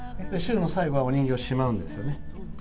週の最後はお人形をしまうんですよね。